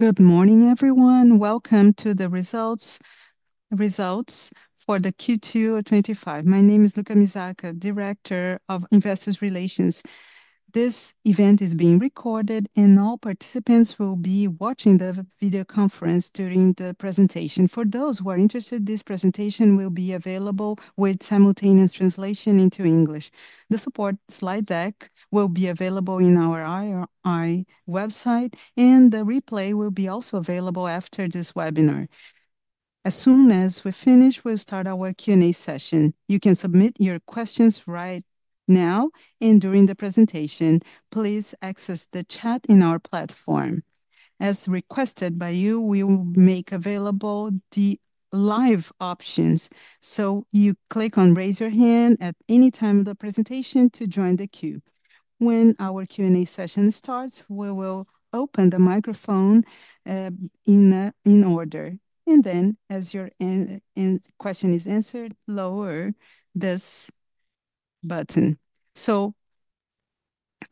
Good morning, everyone. Welcome to the results for Q2 2025. My name is Lucas Miyasaka, Director of Investor Relations. This event is being recorded, and all participants will be watching the video conference during the presentation. For those who are interested, this presentation will be available with simultaneous translation into English. The support slide deck will be available on our IRI website, and the replay will also be available after this webinar. As soon as we finish, we'll start our Q&A session. You can submit your questions right now and during the presentation. Please access the chat in our platform. As requested by you, we will make available the live options, so you click on raise your hand at any time of the presentation to join the Q. When our Q&A session starts, we will open the microphone in order, and then as your question is answered, lower this button.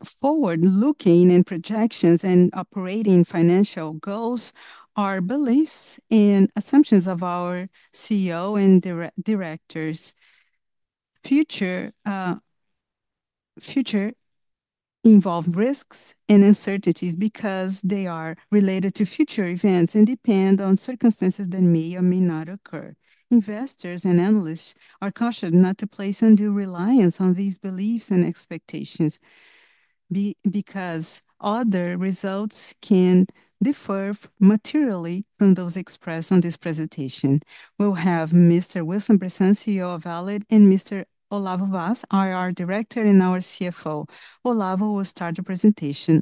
Forward-looking and projections and operating financial goals are beliefs and assumptions of our CEO and directors. Future involve risks and uncertainties because they are related to future events and depend on circumstances that may or may not occur. Investors and analysts are cautioned not to place undue reliance on these beliefs and expectations because other results can differ materially from those expressed on this presentation. We'll have Mr. Ilson Bressan, CEO of Valid, and Mr. Olavo Vaz, IR Director and our CFO. Olavo will start the presentation.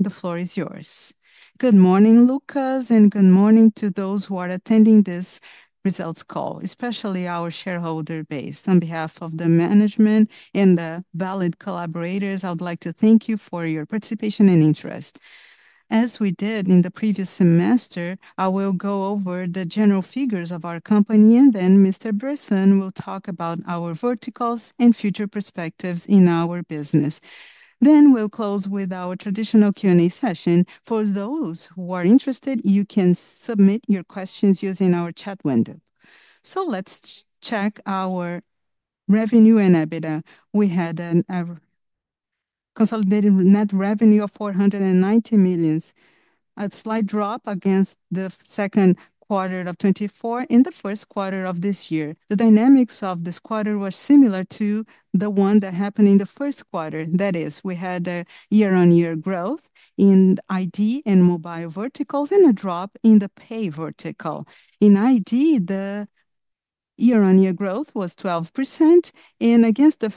The floor is yours. Good morning, Lucas, and good morning to those who are attending this results call, especially our shareholder base. On behalf of the management and the Valid collaborators, I would like to thank you for your participation and interest. As we did in the previous semester, I will go over the general figures of our company, and then Mr. Bressan will talk about our verticals and future perspectives in our business. We will close with our traditional Q&A session. For those who are interested, you can submit your questions using our chat window. Let's check our revenue and EBITDA. We had a consolidated net revenue of 490 million, a slight drop against the second quarter of 2024 and the first quarter of this year. The dynamics of this quarter were similar to the one that happened in the first quarter. That is, we had the year-on-year growth in ID and Mobile verticals and a drop in the Pay vertical. In ID, the year-on-year growth was 12%, and against the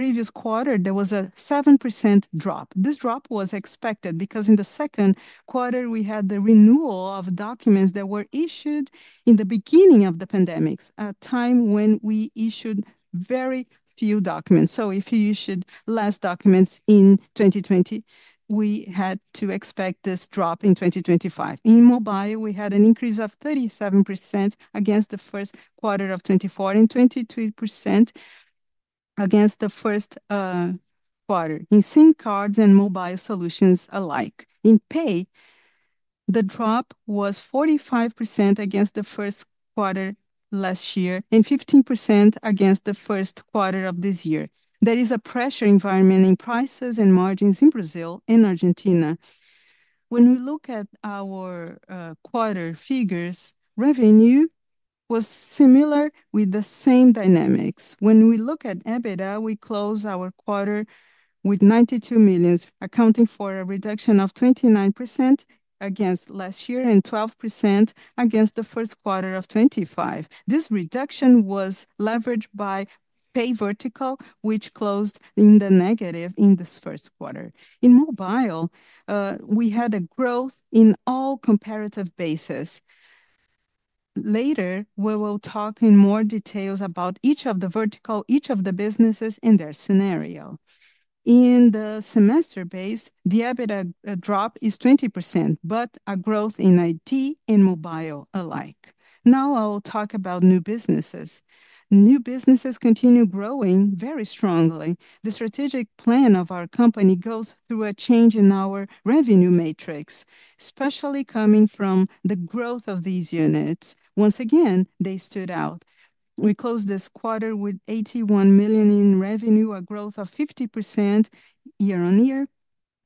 previous quarter, there was a 7% drop. This drop was expected because in the second quarter, we had the renewal of documents that were issued in the beginning of the pandemic, a time when we issued very few documents. If you issued less documents in 2020, we had to expect this drop in 2025. In Mobile, we had an increase of 37% against the first quarter of 2024 and 22% against the first quarter. In SIM cards and Mobile solutions alike. In Pay, the drop was 45% against the first quarter last year and 15% against the first quarter of this year. There is a pressure environment in prices and margins in Brazil and Argentina. When we look at our quarter figures, revenue was similar with the same dynamics. When we look at EBITDA, we closed our quarter with 92 million, accounting for a reduction of 29% against last year and 12% against the first quarter of 2025. This reduction was leveraged by the Pay vertical, which closed in the negative in this first quarter. In Mobile, we had a growth in all comparative bases. Later, we will talk in more detail about each of the verticals, each of the businesses, and their scenario. In the semester base, the EBITDA drop is 20%, but a growth in ID and Mobile alike. Now I will talk about new businesses. New businesses continue growing very strongly. The strategic plan of our company goes through a change in our revenue matrix, especially coming from the growth of these units. Once again, they stood out. We closed this quarter with 81 million in revenue, a growth of 50% year-on-year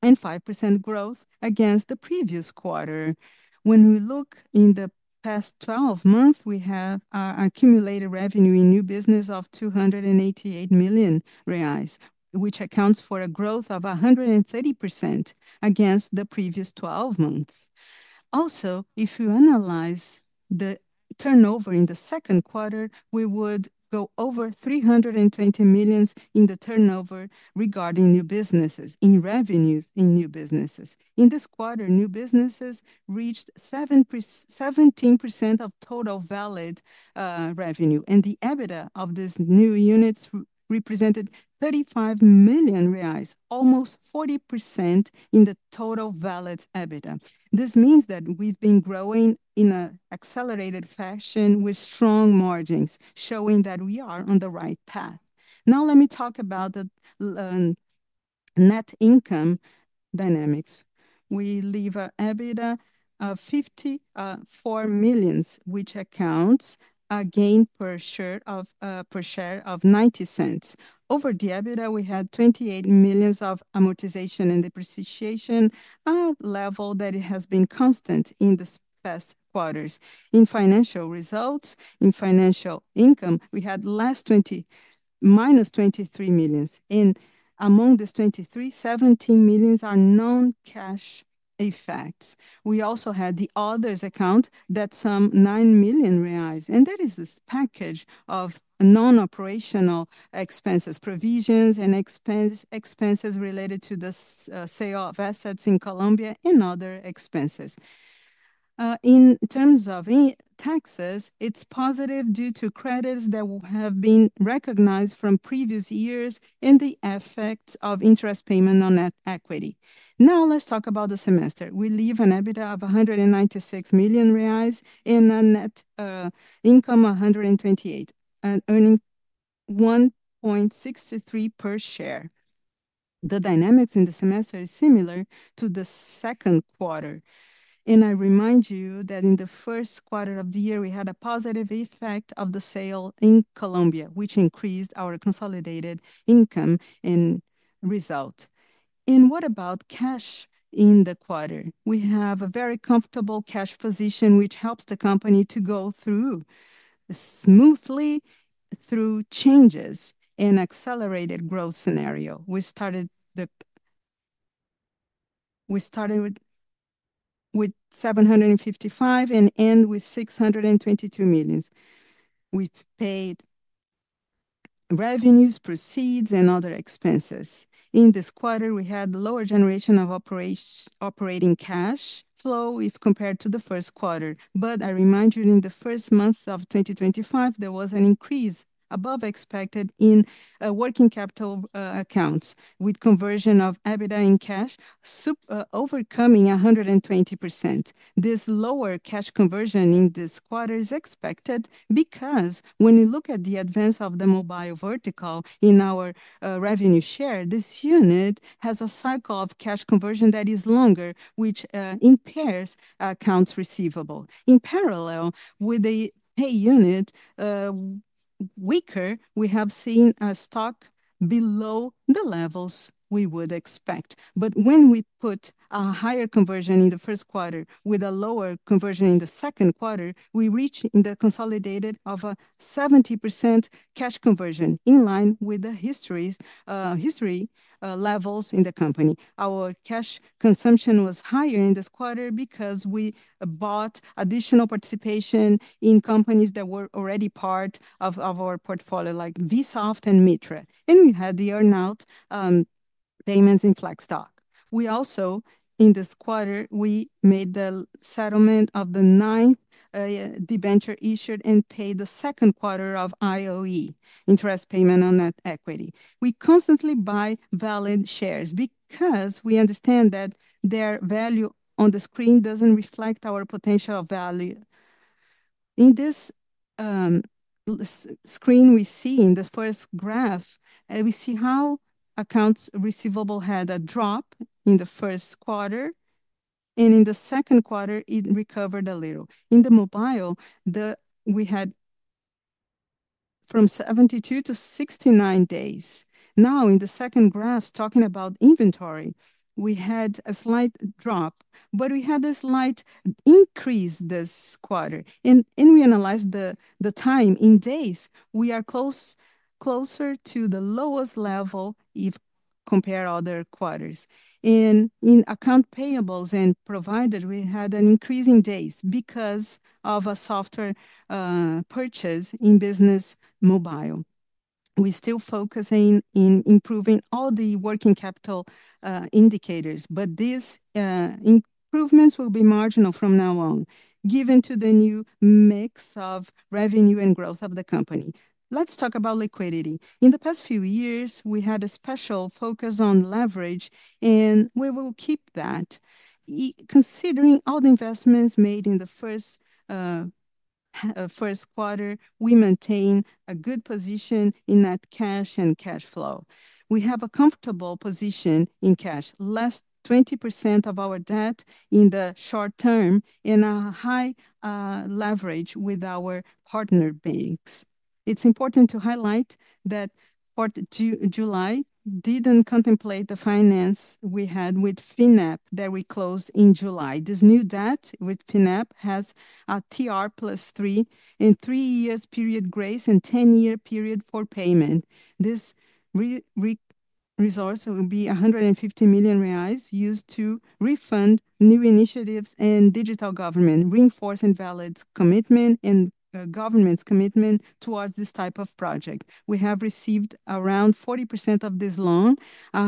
and 5% growth against the previous quarter. When we look in the past 12 months, we have accumulated revenue in new business of 288 million reais, which accounts for a growth of 130% against the previous 12 months. Also, if you analyze the turnover in the second quarter, we would go over 320 million in the turnover regarding new businesses in revenues in new businesses. In this quarter, new businesses reached 17% of total Valid revenue, and the EBITDA of these new units represented 35 million reais, almost 40% in the total Valid EBITDA. This means that we've been growing in an accelerated fashion with strong margins, showing that we are on the right path. Now let me talk about the net income dynamics. We leave an EBITDA of 54 million, which accounts a gain per share of 0.90. Over the EBITDA, we had 28 million of amortization and depreciation, a level that has been constant in the past quarters. In financial results, in financial income, we had less 20, -23 million, and among this 23 million, 17 million are non-cash effects. We also had the others account that some 9 million reais, and that is a package of non-operational expenses, provisions, and expenses related to the sale of assets in Colombia and other expenses. In terms of taxes, it's positive due to credits that have been recognized from previous years and the effects of interest payment on equity. Now let's talk about the semester. We leave an EBITDA of 196 million reais and a net income of 128 million, earning 1.63/share. The dynamics in the semester are similar to the second quarter, and I remind you that in the first quarter of the year, we had a positive effect of the sale in Colombia, which increased our consolidated income and result. What about cash in the quarter? We have a very comfortable cash position, which helps the company to go smoothly through changes and an accelerated growth scenario. We started with 755 million and end with 622 million. We paid revenues, proceeds, and other expenses. In this quarter, we had a lower generation of operating cash flow if compared to the first quarter, but I remind you in the first month of 2025, there was an increase above expected in working capital accounts with conversion of EBITDA in cash, overcoming 120%. This lower cash conversion in this quarter is expected because when we look at the advance of the Mobile segment in our revenue share, this unit has a cycle of cash conversion that is longer, which impairs accounts receivable. In parallel with a Pay segment weaker, we have seen a stock below the levels we would expect. When we put a higher conversion in the first quarter with a lower conversion in the second quarter, we reached the consolidated of a 70% cash conversion in line with the history levels in the company. Our cash consumption was higher in this quarter because we bought additional participation in companies that were already part of our portfolio, like VSoft and Mitra, and we had the earnout payments in Flexdoc. In this quarter, we made the settlement of the ninth debenture issued and paid the second quarter of IOE, interest payment on that equity. We constantly buy Valid shares because we understand that their value on the screen doesn't reflect our potential value. In this screen, we see in the first graph, we see how accounts receivable had a drop in the first quarter, and in the second quarter, it recovered a little. In the Mobile, we had from 72 days to 69 days. Now, in the second graph, talking about inventory, we had a slight drop, but we had a slight increase this quarter. We analyze the time in days. We are closer to the lowest level if compared to other quarters. In account payables and provided, we had an increase in days because of a software purchase in business Mobile. We still focus on improving all the working capital indicators, but these improvements will be marginal from now on, given the new mix of revenue and growth of the company. Let's talk about liquidity. In the past few years, we had a special focus on leverage, and we will keep that. Considering all the investments made in the first quarter, we maintain a good position in net cash and cash flow. We have a comfortable position in cash, less 20% of our debt in the short term, and a high leverage with our partner banks. It's important to highlight that part of July didn't contemplate the finance we had with Finep that we closed in July. This new debt with Finep has a TR +3 and three years period grace and 10-year period for payment. This resource will be 150 million reais used to refund new initiatives and Digital Government, reinforcing Valid's commitment and government's commitment towards this type of project. We have received around 40% of this loan, I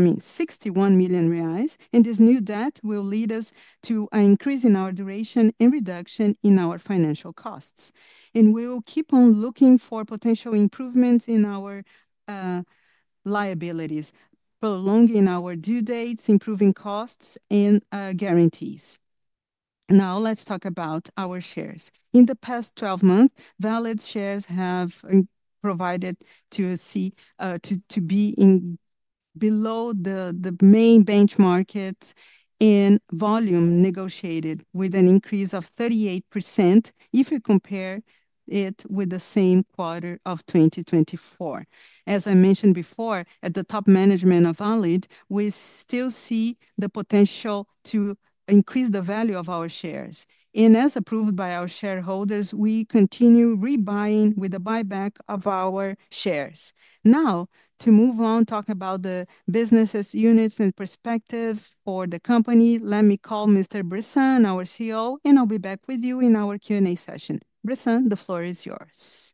mean 61 million reais, and this new debt will lead us to an increase in our duration and reduction in our financial costs. We will keep on looking for potential improvements in our liabilities, prolonging our due dates, improving costs, and guarantees. Now let's talk about our shares. In the past 12 months, Valid shares have provided to be below the main benchmarks and volume negotiated with an increase of 38% if we compare it with the same quarter of 2024. As I mentioned before, at the top management of Valid, we still see the potential to increase the value of our shares. As approved by our shareholders, we continue rebuying with a buyback of our shares. Now, to move on, talk about the businesses, units, and perspectives for the company. Let me call Mr. Bressan, our CEO, and I'll be back with you in our Q&A session. Bressan, the floor is yours.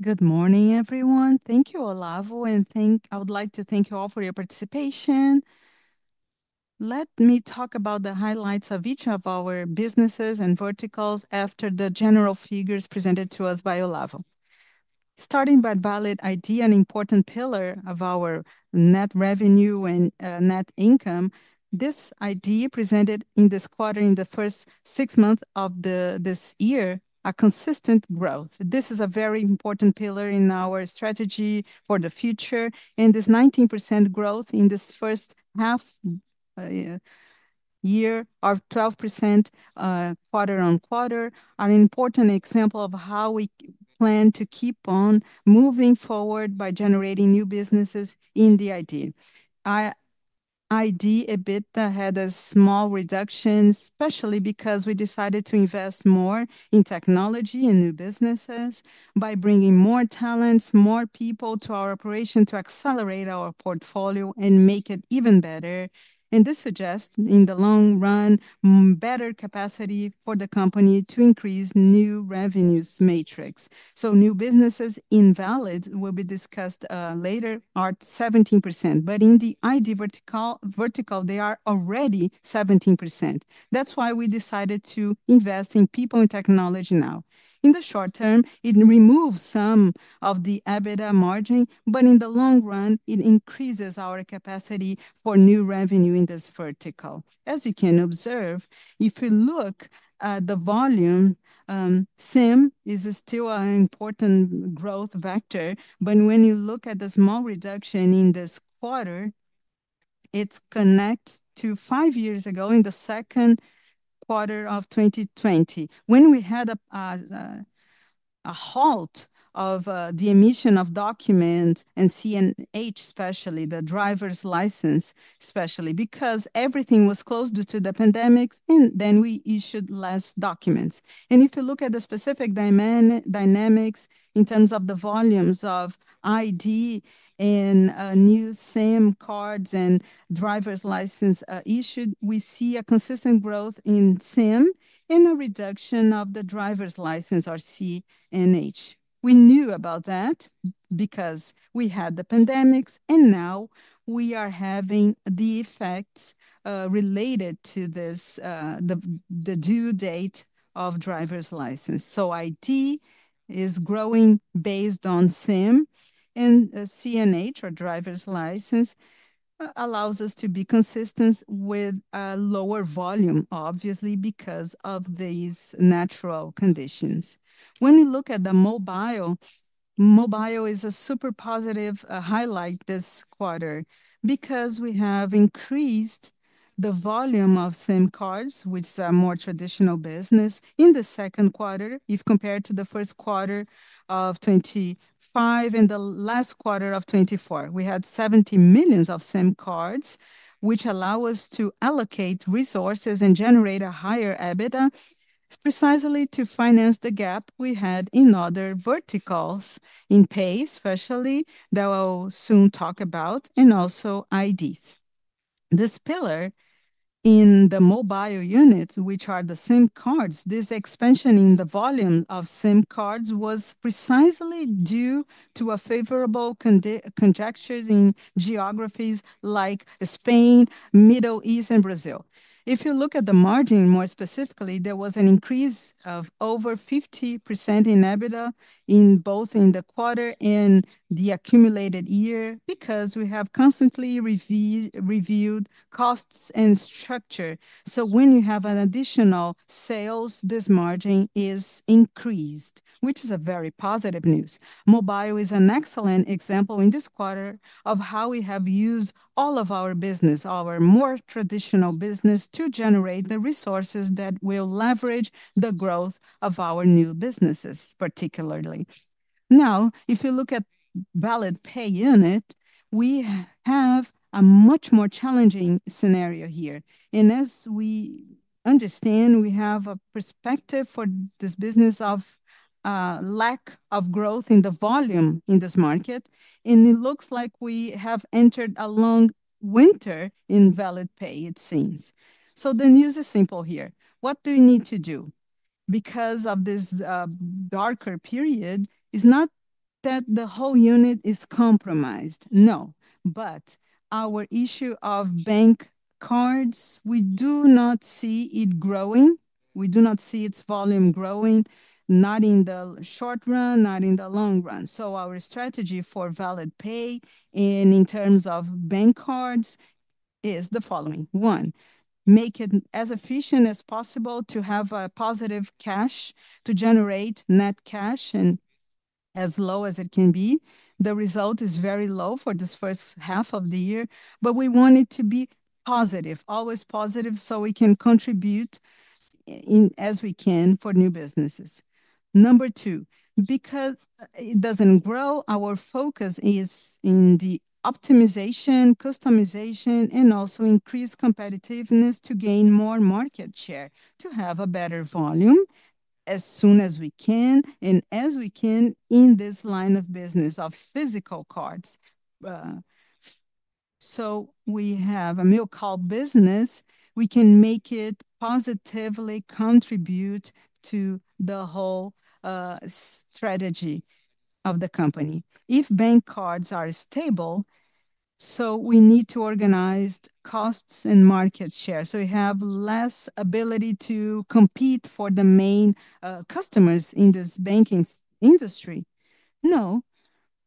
Good morning, everyone. Thank you, Olavo, and I would like to thank you all for your participation. Let me talk about the highlights of each of our businesses and verticals after the general figures presented to us by Olavo. Starting by Valid ID, an important pillar of our net revenue and net income, this ID presented in this quarter, in the first six months of this year, a consistent growth. This is a very important pillar in our strategy for the future, and this 19% growth in this first half year of 12% quarter-on-quarter are an important example of how we plan to keep on moving forward by generating new businesses in the ID. ID EBITDA had a small reduction, especially because we decided to invest more in technology and new businesses by bringing more talents, more people to our operation to accelerate our portfolio and make it even better. This suggests, in the long run, better capacity for the company to increase new revenues matrix. New businesses in Valid will be discussed later are 17%, but in the ID vertical, they are already 17%. That's why we decided to invest in people and technology now. In the short term, it removes some of the EBITDA margin, but in the long run, it increases our capacity for new revenue in this vertical. As you can observe, if we look at the volume, SIM is still an important growth vector, but when you look at the small reduction in this quarter, it's connected to five years ago in the second quarter of 2020, when we had a halt of the emission of documents and CNH, especially the driver's license, especially because everything was closed due to the pandemic, and then we issued less documents. If you look at the specific dynamics in terms of the volumes of ID and new SIM cards and driver's license issued, we see a consistent growth in SIM and a reduction of the driver's license or CNH. We knew about that because we had the pandemics, and now we are having the effects related to the due date of driver's license. ID is growing based on SIM, and CNH or driver's license allows us to be consistent with a lower volume, obviously, because of these natural conditions. When we look at the mobile, mobile is a super positive highlight this quarter because we have increased the volume of SIM cards, which is a more traditional business in the second quarter if compared to the first quarter of 2025 and the last quarter of 2024. We had 70 million of SIM cards, which allow us to allocate resources and generate a higher EBITDA precisely to finance the gap we had in other verticals in pay, especially that I will soon talk about, and also IDs. This pillar in the Mobile segment, which are the SIM cards, this expansion in the volume of SIM cards was precisely due to a favorable conjecture in geographies like Spain, Middle East, and Brazil. If you look at the margin more specifically, there was an increase of over 50% in EBITDA in both in the quarter and the accumulated year because we have constantly reviewed costs and structure. When you have an additional sales, this margin is increased, which is very positive news. Mobile is an excellent example in this quarter of how we have used all of our business, our more traditional business, to generate the resources that will leverage the growth of our new businesses particularly. Now, if you look at Valid Pay unit, we have a much more challenging scenario here. As we understand, we have a perspective for this business of lack of growth in the volume in this market, and it looks like we have entered a long winter in Valid Pay, it seems. The news is simple here. What do we need to do? Because of this darker period, it's not that the whole segment is compromised. No, but our issue of bank cards, we do not see it growing. We do not see its volume growing, not in the short run, not in the long run. Our strategy for Valid Pay and in terms of bank cards is the following. One, make it as efficient as possible to have a positive cash to generate net cash and as low as it can be. The result is very low for this first half of the year, but we want it to be positive, always positive, so we can contribute as we can for new businesses. Number two, because it doesn't grow, our focus is in the optimization, customization, and also increase competitiveness to gain more market share, to have a better volume as soon as we can and as we can in this line of business of physical cards. We have a new card business. We can make it positively contribute to the whole strategy of the company. If bank cards are stable, we need to organize costs and market share, so we have less ability to compete for the main customers in this banking industry. No,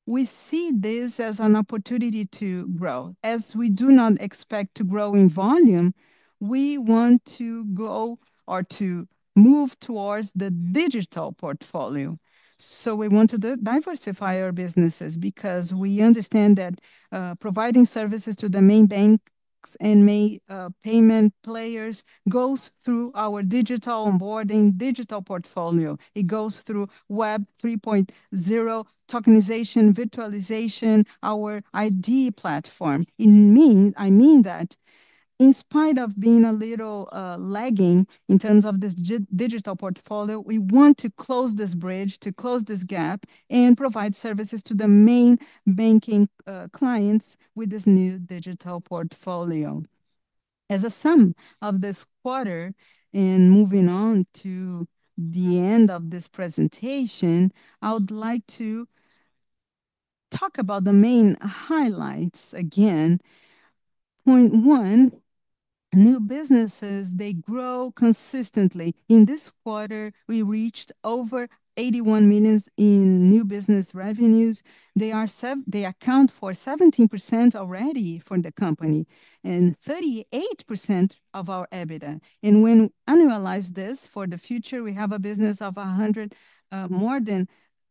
we see this as an opportunity to grow. As we do not expect to grow in volume, we want to go or to move towards the digital portfolio. We want to diversify our businesses because we understand that providing services to the main banks and main payment players goes through our digital onboarding, digital portfolio. It goes through Web 3.0 tokenization, virtualization, our ID platform. I mean that in spite of being a little lagging in terms of this digital portfolio, we want to close this bridge, to close this gap, and provide services to the main banking clients with this new digital portfolio. As a sum of this quarter, and moving on to the end of this presentation, I would like to talk about the main highlights again. Point one, new businesses, they grow consistently. In this quarter, we reached over 81 million in new business revenues. They account for 17% already for the company and 38% of our EBITDA. When we annualize this for the future, we have a business of more than 320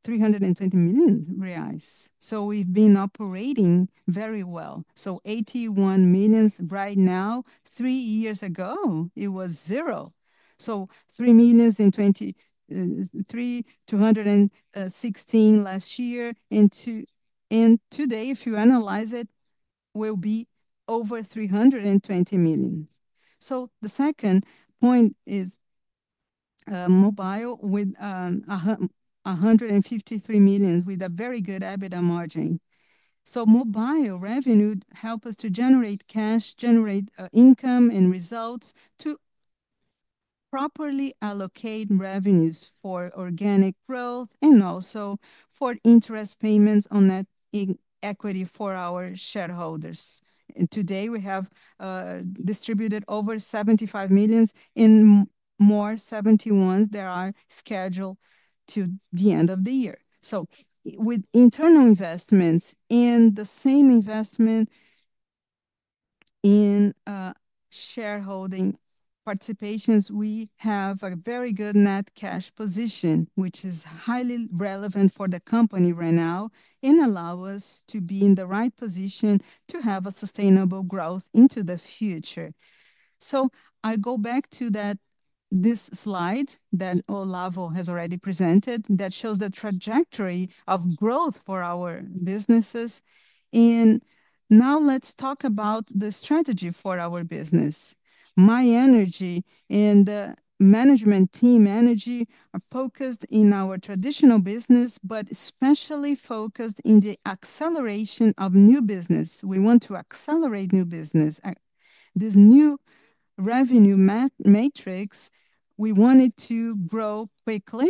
million reais. We've been operating very well. 81 million right now, three years ago, it was zero. 3 million in 2023, 216 million last year, and today, if you analyze it, will be over 320 million. The second point is Mobile with 153 million with a very good EBITDA margin. Mobile revenue helps us to generate cash, generate income and results to properly allocate revenues for organic growth and also for interest payments on that equity for our shareholders. Today, we have distributed over 75 million and more 71 million that are scheduled to the end of the year. With internal investments and the same investment in shareholding participations, we have a very good net cash position, which is highly relevant for the company right now and allows us to be in the right position to have a sustainable growth into the future. I go back to that slide that Olavo has already presented that shows the trajectory of growth for our businesses. Now let's talk about the strategy for our business. My energy and the management team energy are focused in our traditional business, but especially focused in the acceleration of new business. We want to accelerate new business. This new revenue matrix, we want it to grow quickly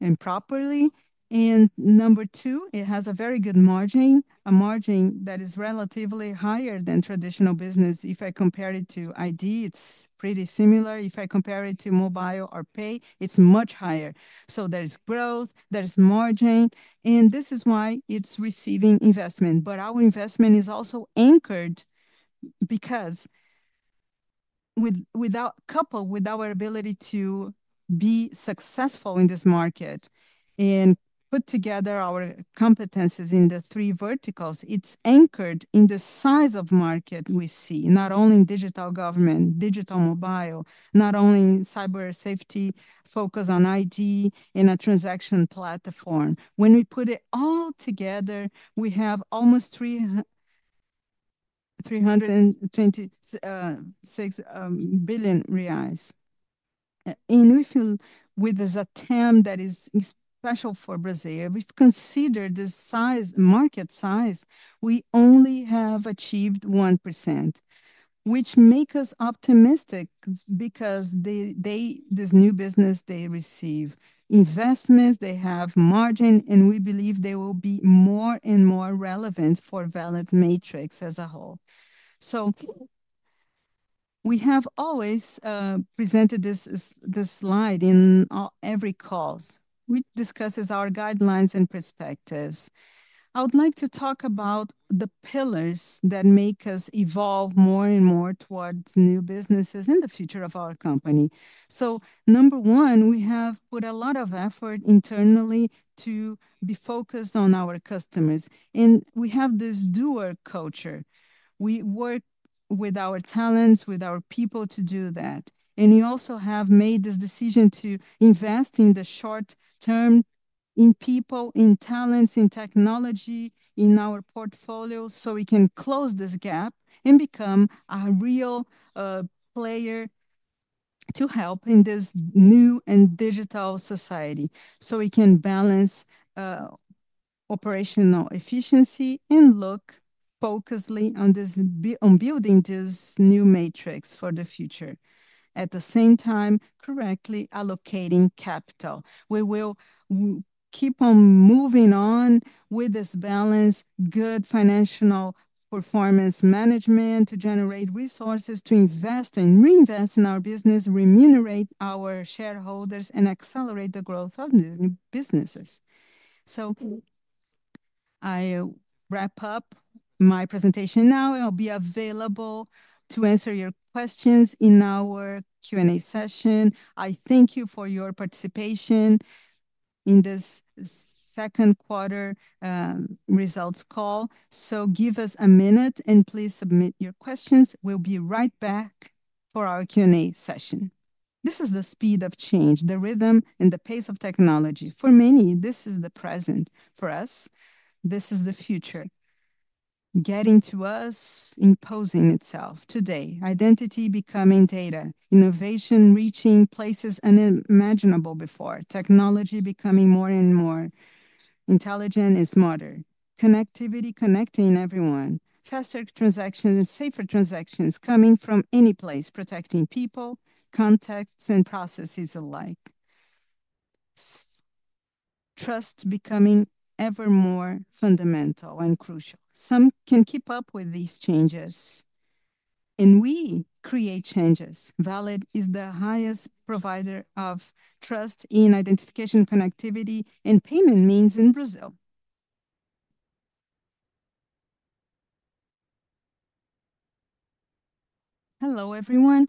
and properly. Number two, it has a very good margin, a margin that is relatively higher than traditional business. If I compare it to ID, it's pretty similar. If I compare it to Mobile or Pay, it's much higher. There's growth, there's margin, and this is why it's receiving investment. Our investment is also anchored because coupled with our ability to be successful in this market and put together our competencies in the three verticals, it's anchored in the size of market we see, not only in digital government, digital mobile, not only in cyber safety, focus on ID, and a transaction platform. When we put it all together, we have almost BRL 326 billion. We that is a TAM that is special for Brazil, if you consider this market size, we have only achieved 1%, which makes us optimistic because this new business, they receive investments, they have margin, and we believe they will be more and more relevant for Valid's matrix as a whole. We have always presented this slide in every call. We discuss our guidelines and perspectives. I would like to talk about the pillars that make us evolve more and more towards new businesses in the future of our company. Number one, we have put a lot of effort internally to be focused on our customers, and we have this doer culture. We work with our talents, with our people to do that. We also have made this decision to invest in the short term, in people, in talents, in technology, in our portfolio, so we can close this gap and become a real player to help in this new and digital society. We can balance operational efficiency and look focusedly on building this new matrix for the future, at the same time correctly allocating capital. We will keep on moving on with this balance, good financial performance management to generate resources to invest and reinvest in our business, remunerate our shareholders, and accelerate the growth of new businesses. I wrap up my presentation now. I'll be available to answer your questions in our Q&A session. I thank you for your participation in this second quarter results call. Give us a minute and please submit your questions. We'll be right back for our Q&A session. This is the speed of change, the rhythm, and the pace of technology. For many, this is the present. For us, this is the future. Getting to us, imposing itself. Today, identity becoming data, innovation reaching places unimaginable before, technology becoming more and more intelligent and smarter, connectivity connecting everyone, faster transactions, safer transactions coming from any place, protecting people, contexts, and processes alike. Trust becoming ever more fundamental and crucial. Some can keep up with these changes, and we create changes. Valid is the highest provider of trust in identification, connectivity, and payment means in Brazil. Hello, everyone.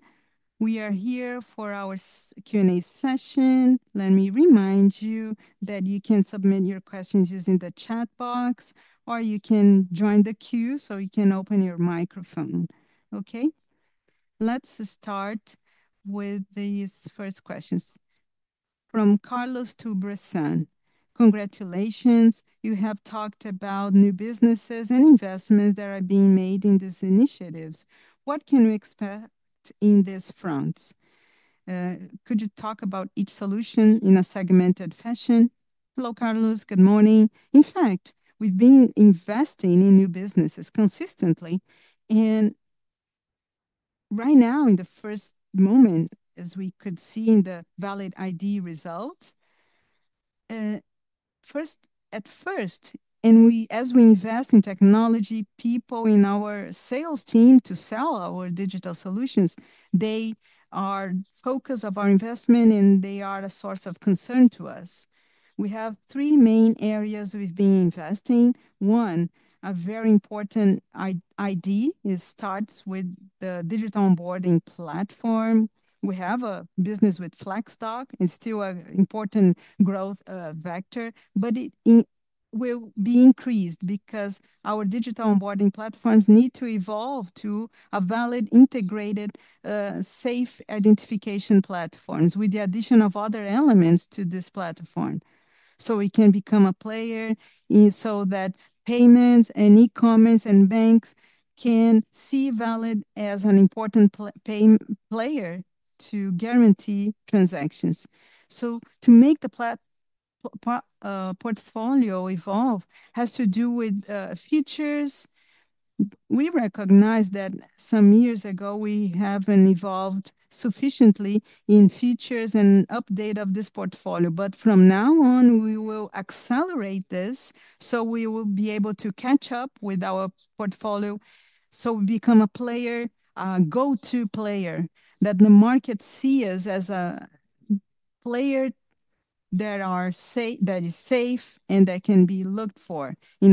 We are here for our Q&A session. Let me remind you that you can submit your questions using the chat box, or you can join the queue, so you can open your microphone. Let's start with these first questions. From Carlos to Bressan. Congratulations. You have talked about new businesses and investments that are being made in these initiatives. What can we expect in this front? Could you talk about each solution in a segmented fashion? Hello, Carlos. Good morning. In fact, we've been investing in new businesses consistently. Right now, in the first moment, as we could see in the Valid ID result, first at first, and as we invest in technology, people in our sales team to sell our digital solutions, they are focused on our investment, and they are a source of concern to us. We have three main areas we've been investing. One, a very important ID starts with the Digital Onboarding Platform. We have a business with Flexdoc. It's still an important growth vector, but it will be increased because our digital onboarding platforms need to evolve to a Valid, integrated, safe identification platforms with the addition of other elements to this platform. We can become a player so that payments and e-commerce and banks can see Valid as an important paying player to guarantee transactions. To make the portfolio evolve has to do with features. We recognize that some years ago, we haven't evolved sufficiently in features and update of this portfolio. From now on, we will accelerate this, so we will be able to catch up with our portfolio, so we become a player, a go-to player that the market sees as a player that is safe and that can be looked for in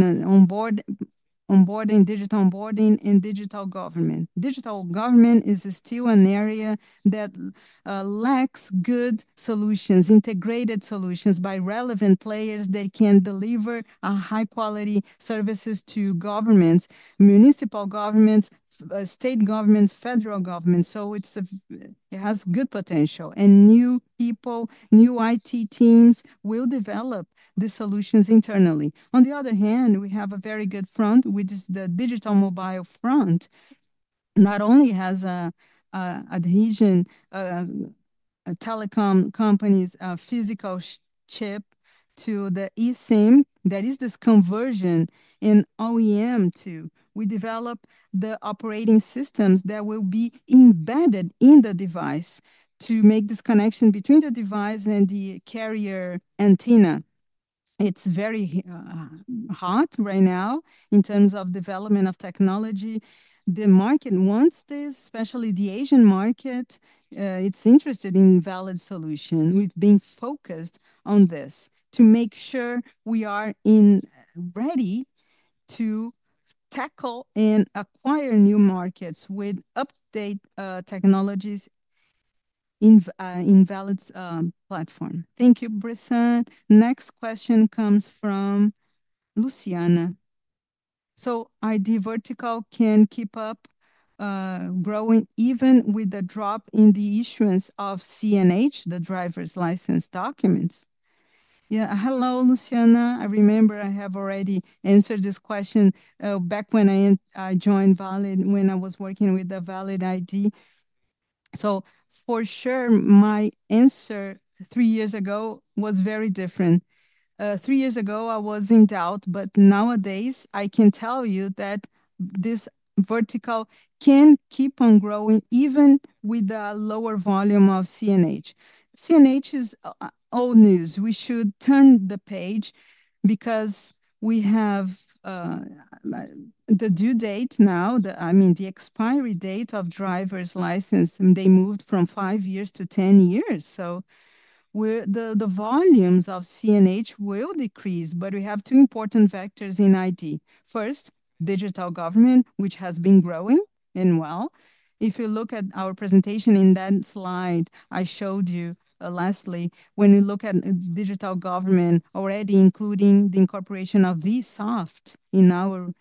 digital onboarding and digital government. Digital government is still an area that lacks good solutions, integrated solutions by relevant players that can deliver high-quality services to governments, municipal governments, state governments, federal governments. It has good potential, and new people, new IT teams will develop the solutions internally. On the other hand, we have a very good front, which is the digital mobile front. Not only has adhesion telecom companies a physical chip to the eSIM, there is this conversion in OEM too. We develop the operating systems that will be embedded in the device to make this connection between the device and the carrier antenna. It's very hot right now in terms of development of technology. The market wants this, especially the Asian market. It's interested in Valid's solution. We've been focused on this to make sure we are ready to tackle and acquire new markets with update technologies in Valid's platform. Thank you, Bressan. Next question comes from Luciana. ID vertical can keep up growing even with the drop in the issuance of CNH, the driver's license documents? Hello, Luciana. I remember I have already answered this question back when I joined Valid when I was working with the Valid ID. For sure, my answer three years ago was very different. Three years ago, I was in doubt, but nowadays, I can tell you that this vertical can keep on growing even with the lower volume of CNH. CNH is old news. We should turn the page because we have the due date now, I mean the expiry date of driver's license, and they moved from five years to ten years. The volumes of CNH will decrease, but we have two important vectors in ID. First, digital government, which has been growing and well. If you look at our presentation in that slide I showed you lastly, when we look at digital government already including the incorporation of VSoft in our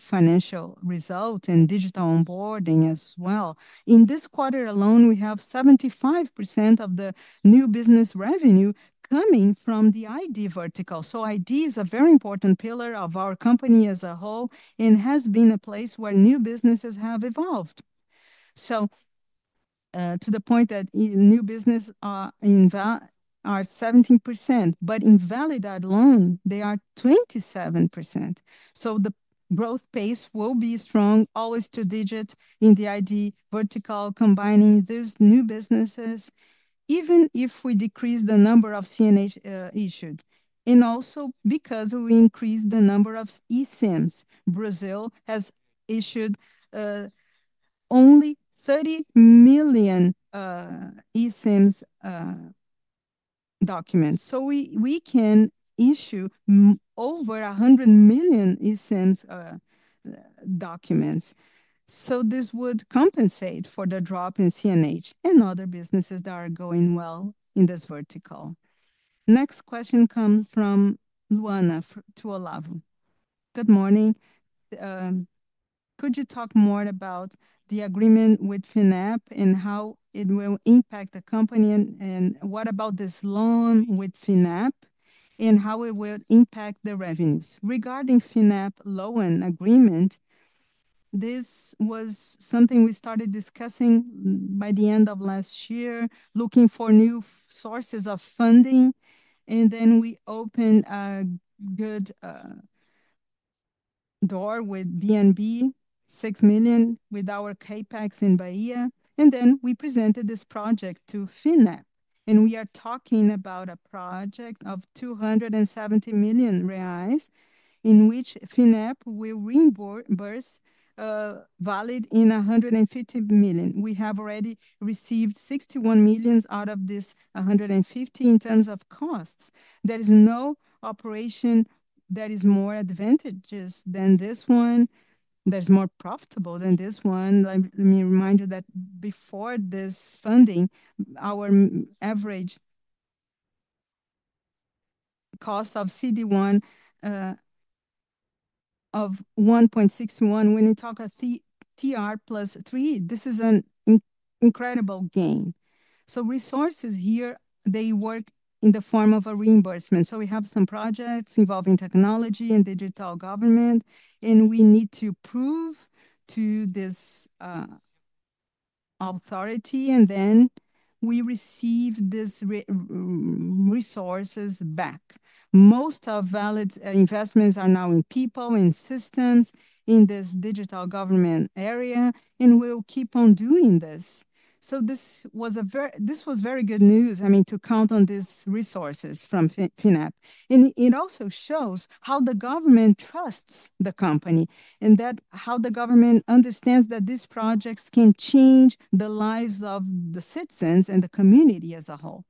financial result and digital onboarding as well. In this quarter alone, we have 75% of the new business revenue coming from the ID vertical. ID is a very important pillar of our company as a whole and has been a place where new businesses have evolved. To the point that new businesses are 17%, but in Valid alone, they are 27%. The growth pace will be strong, always two digits in the ID vertical combining those new businesses, even if we decrease the number of CNH issued. Also because we increase the number of eSIMs. Brazil has issued only 30 million eSIMs documents. We can issue over 100 million eSIMs documents. This would compensate for the drop in CNH and other businesses that are going well in this vertical. Next question comes from Luana to Olavo. Good morning. Could you talk more about the agreement with Finep and how it will impact the company, and what about this loan with Finep and how it will impact the revenues? Regarding Finep loan agreement, this was something we started discussing by the end of last year, looking for new sources of funding. Then we opened a good door with BNB, 6 million with our Capex in Bahia. We presented this project to Finep, and we are talking about a project of 270 million reais, in which Finep will reimburse Valid in 150 million. We have already received 61 million out of this 150 million in terms of costs. There is no operation that is more advantageous than this one, that is more profitable than this one. Let me remind you that before this funding, our average cost of CDI of 1.61%. When you talk of TR +3%, this is an incredible gain. Resources here work in the form of a reimbursement. We have some projects involving technology and digital government, and we need to prove to this authority, and then we receive these resources back. Most of Valid's investments are now in people, in systems, in this digital government area, and we'll keep on doing this. This was very good news, I mean, to count on these resources from Finep. It also shows how the government trusts the company and how the government understands that these projects can change the lives of the citizens and the community as a whole.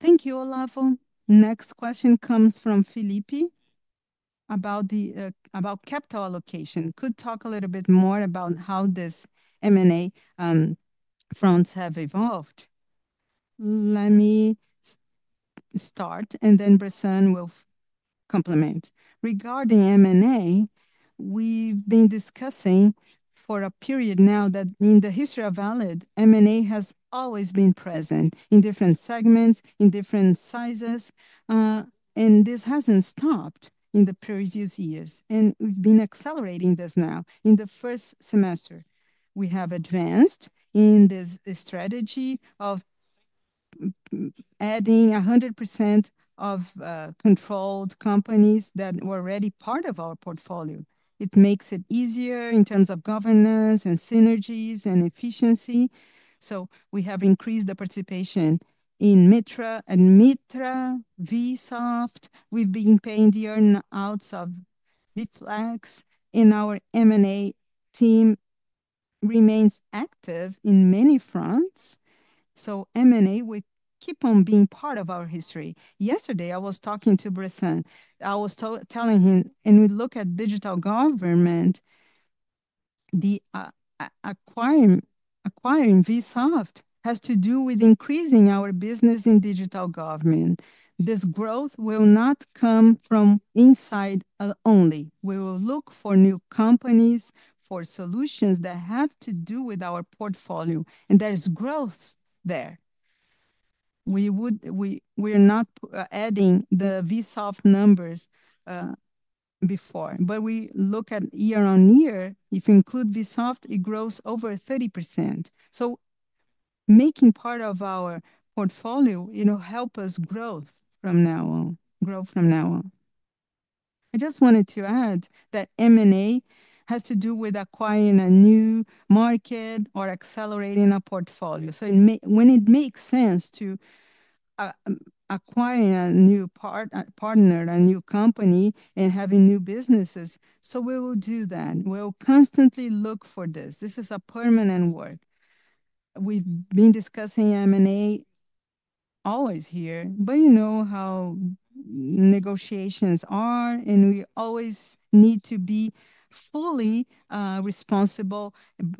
Thank you, Olavo. Next question comes from Felipe about capital allocation. Could talk a little bit more about how these M&A fronts have evolved. Let me start, and then Bressan will complement. Regarding M&A, we've been discussing for a period now that in the history of Valid, M&A has always been present in different segments, in different sizes, and this hasn't stopped in the previous years. We've been accelerating this now. In the first semester, we have advanced in this strategy of adding 100% of controlled companies that were already part of our portfolio. It makes it easier in terms of governance and synergies and efficiency. We have increased the participation in Mitra and VSoft. We've been paying the earnouts of Flex, and our M&A team remains active in many fronts. M&A will keep on being part of our history. Yesterday, I was talking to Bressan. I was telling him, and we look at digital government, acquiring VSoft has to do with increasing our business in digital government. This growth will not come from inside only. We will look for new companies, for solutions that have to do with our portfolio, and there's growth there. We're not adding the VSoft numbers before, but we look at year on year. If you include VSoft, it grows over 30%. Making part of our portfolio will help us grow from now on. I just wanted to add that M&A has to do with acquiring a new market or accelerating a portfolio. When it makes sense to acquire a new partner, a new company, and having new businesses, we will do that. We'll constantly look for this. This is a permanent work. We've been discussing M&A always here, but you know how negotiations are, and we always need to be fully responsible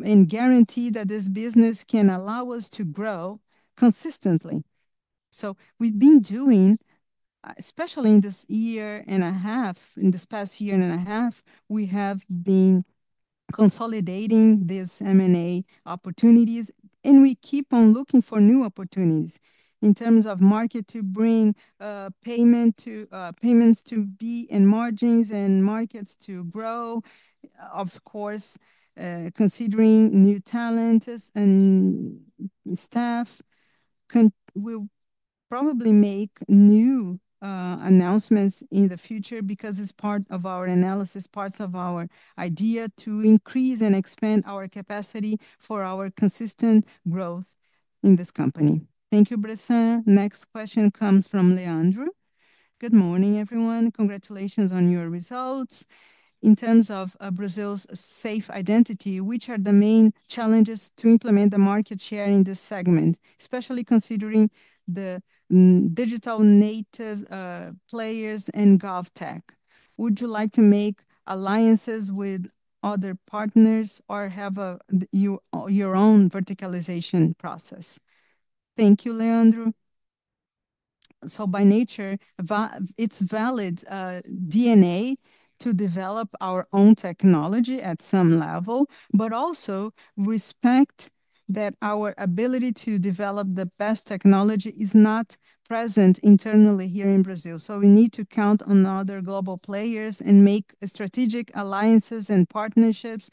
and guarantee that this business can allow us to grow consistently. We have been doing, especially in this past year and a half, we have been consolidating these M&A opportunities, and we keep on looking for new opportunities in terms of market to bring payments to be in margins and markets to grow. Of course, considering new talent and staff, we'll probably make new announcements in the future because it's part of our analysis, part of our idea to increase and expand our capacity for our consistent growth in this company. Thank you, Bressan. Next question comes from Leandro. Good morning, everyone. Congratulations on your results. In terms of Brazil's safe identity, which are the main challenges to implement the market share in this segment, especially considering the digital native players and GovTech? Would you like to make alliances with other partners or have your own verticalization process? Thank you, Leandro. By nature, it's Valid's DNA to develop our own technology at some level, but also respect that our ability to develop the best technology is not present internally here in Brazil. We need to count on other global players and make strategic alliances and partnerships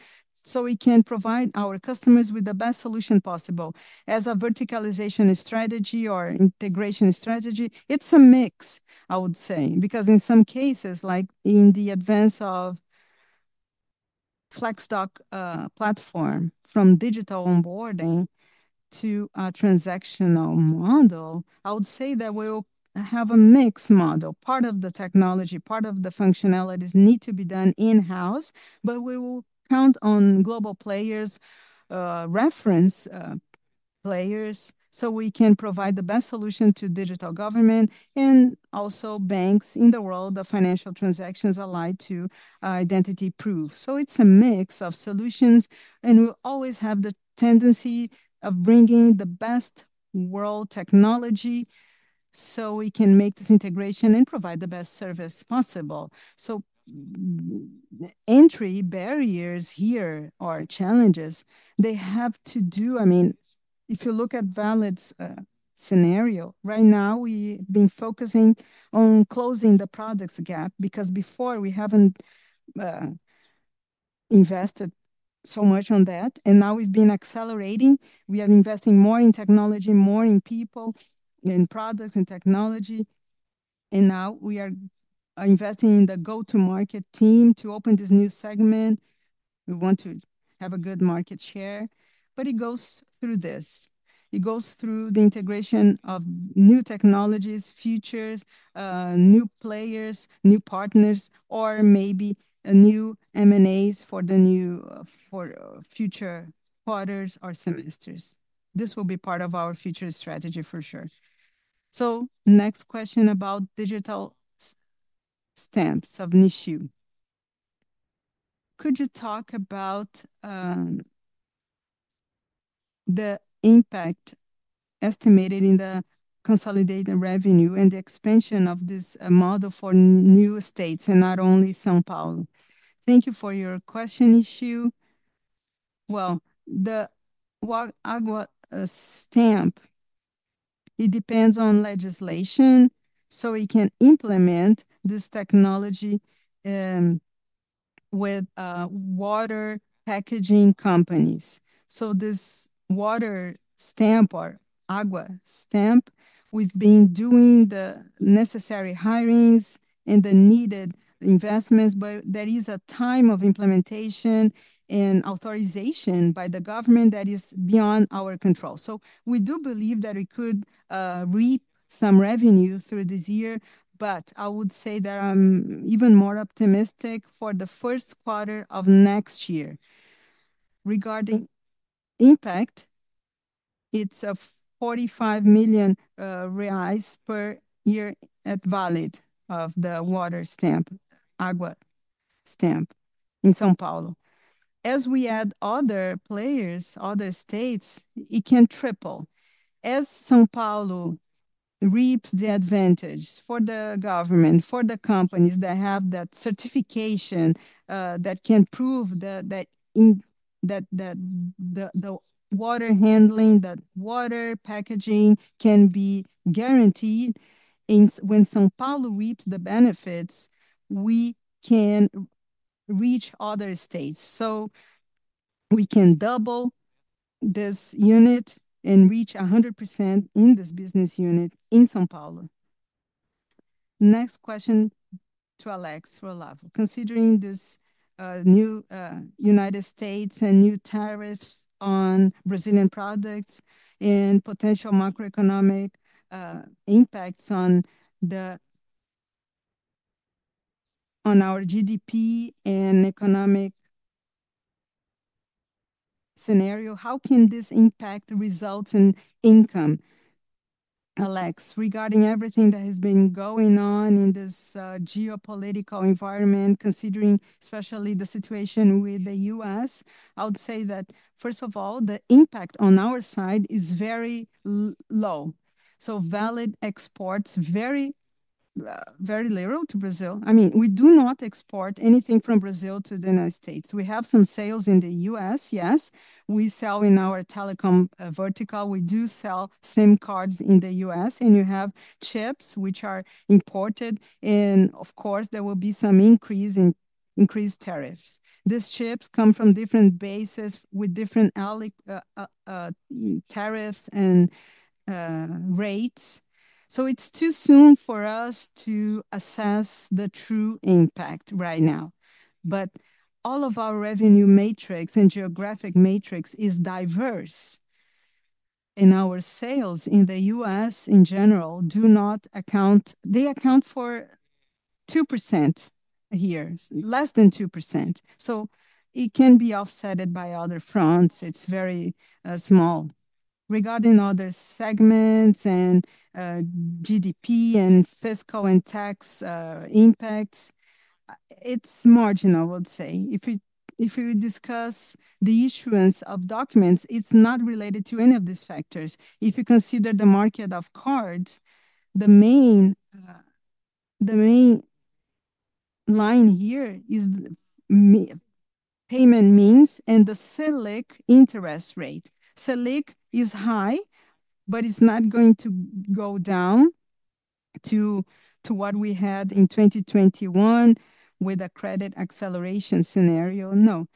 so we can provide our customers with the best solution possible. As a verticalization strategy or integration strategy, it's a mix, I would say, because in some cases, like in the advance of Flexdoc platform from Digital Onboarding to a transactional model, I would say that we'll have a mixed model. Part of the technology, part of the functionalities need to be done in-house, but we will count on global players, reference players, so we can provide the best solution to digital government and also banks in the world of financial transactions allied to identity proof. It's a mix of solutions, and we'll always have the tendency of bringing the best world technology so we can make this integration and provide the best service possible. Entry barriers here or challenges, they have to do, I mean, if you look at Valid's scenario, right now we've been focusing on closing the products gap because before we haven't invested so much on that, and now we've been accelerating. We are investing more in technology, more in people and products and technology, and now we are investing in the go-to-market team to open this new segment. We want to have a good market share, but it goes through this. It goes through the integration of new technologies, features, new players, new partners, or maybe new M&A for the new future quarters or semesters. This will be part of our future strategy for sure. Next question about digital stamps of Nishu. Could you talk about the impact estimated in the consolidated net revenue and the expansion of this model for new states and not only São Paulo? Thank you for your question, Nishu. The Agua Stamp, it depends on legislation, so we can implement this technology with water packaging companies. This Water Stamp or Agua Stamp, we've been doing the necessary hirings and the needed investments, but there is a time of implementation and authorization by the government that is beyond our control. We do believe that we could reap some revenue through this year, but I would say that I'm even more optimistic for the first quarter of next year. Regarding impact, it's BRL 45 million/year at Valid of the Water Stamp, Agua Stamp in São Paulo. As we add other players, other states, it can triple. As São Paulo reaps the advantage for the government, for the companies that have that certification that can prove that the water handling, that water packaging can be guaranteed, and when São Paulo reaps the benefits, we can reach other states. We can double this unit and reach 100% in this business unit in São Paulo. Next question to Alex, Olavo. Considering this new United States and new tariffs on Brazilian products and potential macro-economic impacts on our GDP and economic scenario, how can this impact results in income? Alex, regarding everything that has been going on in this geopolitical environment, considering especially the situation with the U.S., I would say that, first of all, the impact on our side is very low. Valid exports very little to Brazil. I mean, we do not export anything from Brazil to the United States. We have some sales in the U.S., yes. We sell in our telecom vertical. We do sell SIM cards in the U.S., and you have chips which are imported, and of course, there will be some increase in tariffs. These chips come from different bases with different tariffs and rates. It's too soon for us to assess the true impact right now. All of our revenue matrix and geographic matrix is diverse, and our sales in the U.S. in general do not account, they account for 2% a year, less than 2%. It can be offset by other fronts. It's very small. Regarding other segments and GDP and fiscal and tax impacts, it's marginal, I would say. If you discuss the issuance of documents, it's not related to any of these factors. If you consider the market of cards, the main line here is payment means and the Selic interest rate. Selic is high, but it's not going to go down to what we had in 2021 with a credit acceleration scenario, no.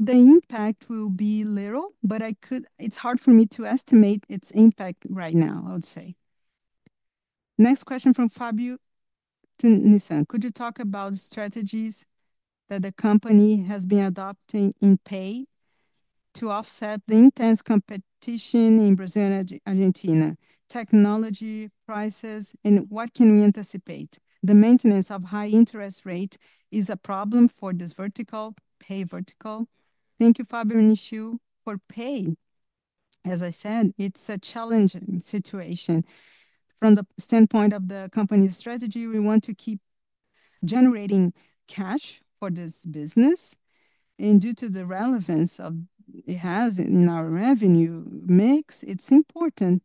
The impact will be little, but it's hard for me to estimate its impact right now, I would say. Next question from Fabio to Ilson. Could you talk about strategies that the company has been adopting in Pay to offset the intense competition in Brazil and Argentina? Technology, prices, and what can we anticipate? The maintenance of high interest rate is a problem for this vertical, Pay vertical. Thank you, Fabio and Nishu, for Pay. As I said, it's a challenging situation. From the standpoint of the company's strategy, we want to keep generating cash for this business, and due to the relevance it has in our revenue mix, it's important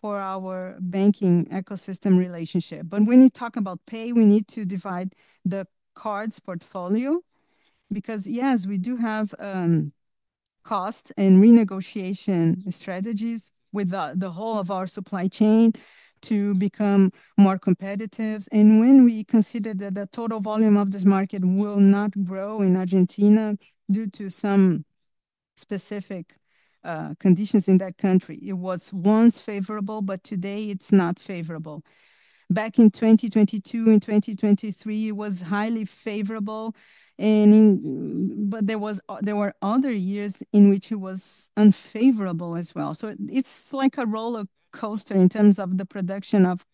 for our banking ecosystem relationship. When you talk about Pay, we need to divide the cards portfolio because, yes, we do have cost and renegotiation strategies with the whole of our supply chain to become more competitive. When we consider that the total volume of this market will not grow in Argentina due to some specific conditions in that country, it was once favorable, but today it's not favorable. Back in 2022 and 2023, it was highly favorable, but there were other years in which it was unfavorable as well. It's like a roller coaster in terms of the production of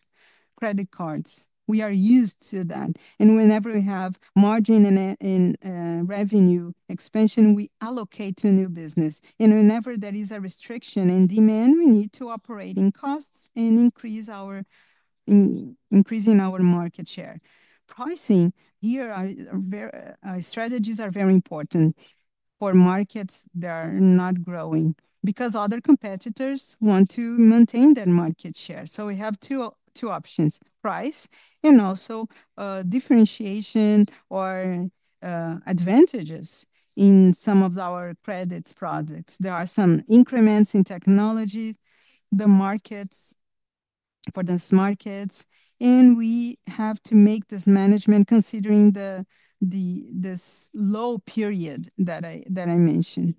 credit cards. We are used to that. Whenever we have margin and revenue expansion, we allocate to new business. Whenever there is a restriction in demand, we need to operate in costs and increase our market share. Pricing here, strategies are very important for markets that are not growing because other competitors want to maintain their market share. We have two options: price and also differentiation or advantages in some of our credits products. There are some increments in technology, the markets for those markets, and we have to make this management considering this low period that I mentioned.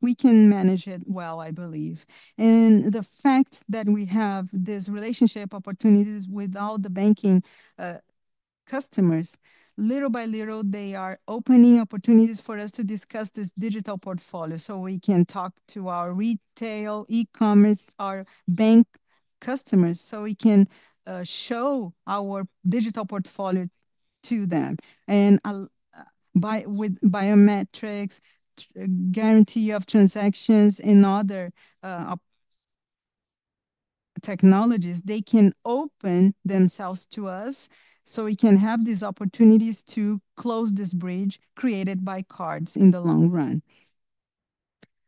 We can manage it well, I believe. The fact that we have these relationship opportunities with all the banking customers, little by little, they are opening opportunities for us to discuss this digital portfolio so we can talk to our retail, e-commerce, our bank customers so we can show our digital portfolio to them. By biometrics, guarantee of transactions, and other technologies, they can open themselves to us so we can have these opportunities to close this bridge created by cards in the long run.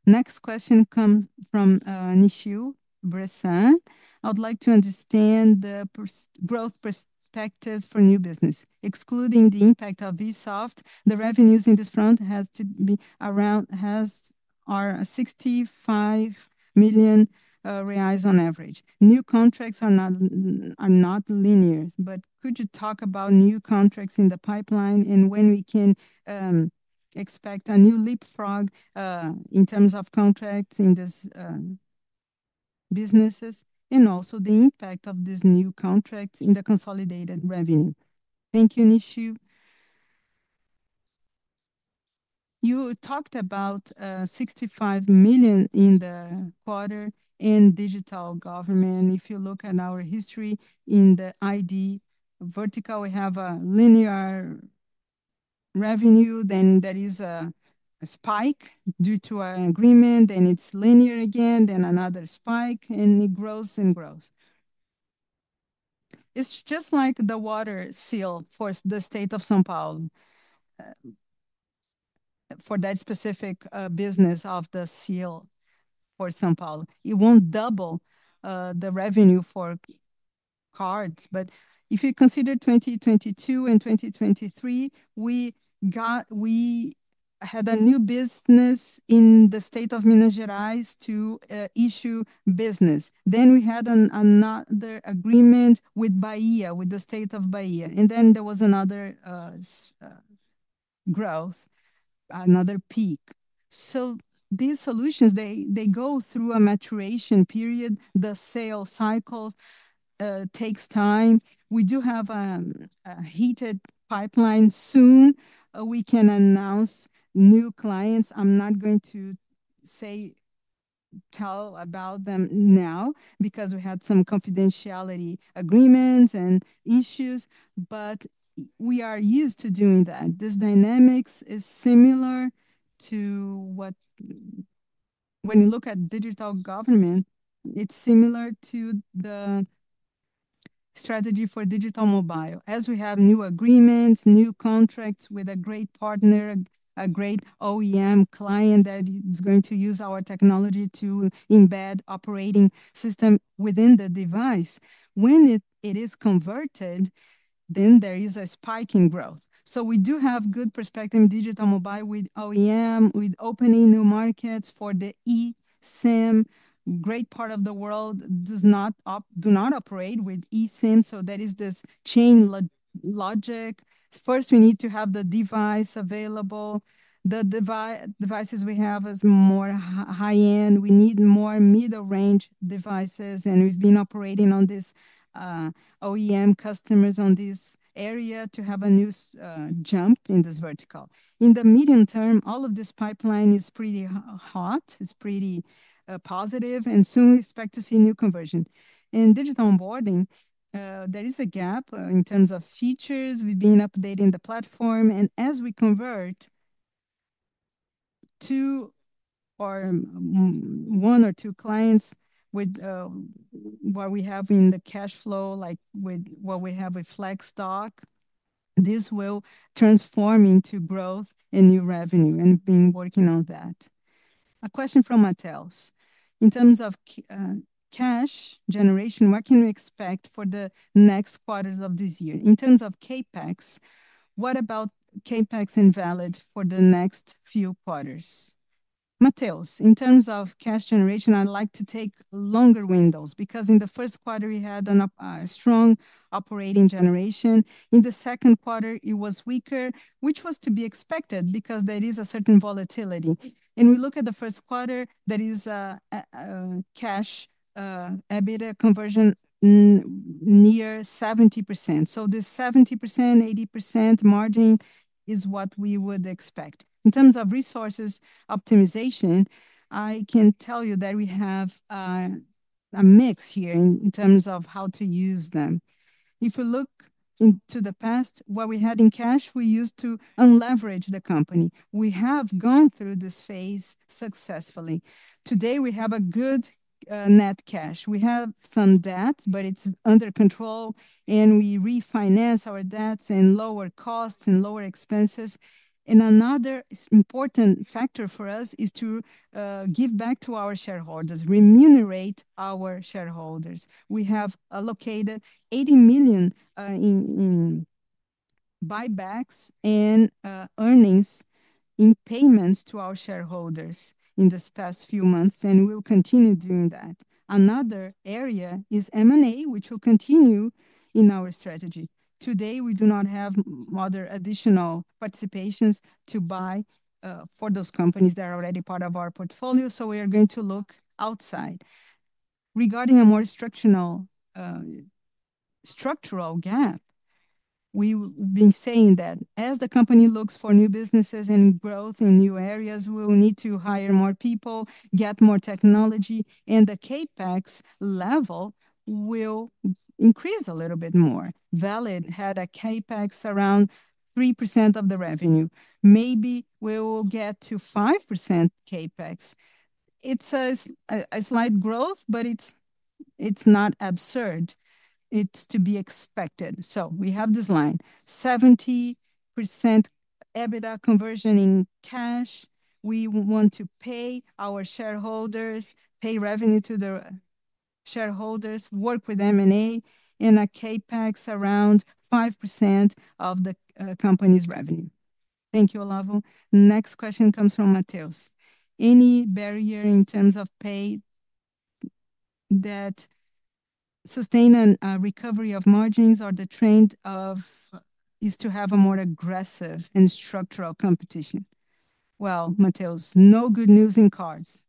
Next question comes from Nishio to Bressan. I would like to understand the growth perspectives for new business. Excluding the impact of VSoft, the revenues in this front are 65 million reais on average. New contracts are not linear, but could you talk about new contracts in the pipeline and when we can expect a new leapfrog in terms of contracts in these businesses and also the impact of these new contracts in the consolidated net revenue? Thank you, Nishio. You talked about 65 million in the quarter in digital government. If you look at our history in the ID vertical, we have a linear revenue, then there is a spike due to our agreement, then it's linear again, then another spike, and it grows and grows. It's just like the water seal for the state of São Paulo, for that specific business of the seal for São Paulo. It won't double the revenue for cards. If you consider 2022 and 2023, we had a new business in the state of Minas Gerais to issue business. We had another agreement with Bahia, with the state of Bahia, and then there was another growth, another peak. These solutions go through a maturation period. The sales cycle takes time. We do have a heated pipeline soon. We can announce new clients. I'm not going to tell about them now because we had some confidentiality agreements and issues, but we are used to doing that. This dynamic is similar to when you look at digital government, it's similar to the strategy for digital mobile. As we have new agreements, new contracts with a great partner, a great OEM client that is going to use our technology to embed operating system within the device, when it is converted, then there is a spike in growth. We do have good perspective in digital mobile with OEM, with opening new markets for the eSIM. A great part of the world does not operate with eSIM, so there is this chain logic. First, we need to have the device available. The devices we have are more high-end. We need more middle-range devices, and we've been operating on these OEM customers in this area to have a new jump in this vertical. In the medium term, all of this pipeline is pretty hot. It's pretty positive, and soon we expect to see new conversions. In digital onboarding, there is a gap in terms of features. We've been updating the platform, and as we convert to one or two clients with what we have in the cash flow, like with what we have with Flexdoc, this will transform into growth and new revenue, and we've been working on that. A question from Matheus. In terms of cash generation, what can we expect for the next quarters of this year? In terms of Capex, what about Capex in Valid for the next few quarters? Matheus, in terms of cash generation, I'd like to take longer windows because in the first quarter, we had a strong operating generation. In the second quarter, it was weaker, which was to be expected because there is a certain volatility. If we look at the first quarter, there is a cash EBITDA conversion near 70%. This 70%-80% margin is what we would expect. In terms of resources optimization, I can tell you that we have a mix here in terms of how to use them. If we look into the past, what we had in cash, we used to unleverage the company. We have gone through this phase successfully. Today, we have a good net cash. We have some debts, but it's under control, and we refinance our debts and lower costs and lower expenses. Another important factor for us is to give back to our shareholders, remunerate our shareholders. We have allocated 80 million in buybacks and earnings in payments to our shareholders in the past few months, and we'll continue doing that. Another area is M&A, which will continue in our strategy. Today, we do not have other additional participations to buy for those companies that are already part of our portfolio, so we are going to look outside. Regarding a more structural gap, we've been saying that as the company looks for new businesses and growth in new areas, we'll need to hire more people, get more technology, and the Capex level will increase a little bit more. Valid had a Capex around 3% of the revenue. Maybe we'll get to 5% Capex. It's a slight growth, but it's not absurd. It's to be expected. We have this line, 70% EBITDA conversion in cash. We want to pay our shareholders, pay revenue to their shareholders, work with M&A, and a Capex around 5% of the company's revenue. Thank you, Olavo. Next question comes from Matheus. Any barrier in terms of pay that sustain a recovery of margins or the trend is to have a more aggressive and structural competition? Matheus, no good news in cards.